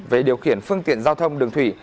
về điều khiển phương tiện giao thông đường thủy